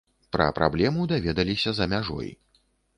Пра праблему даведаліся за мяжой.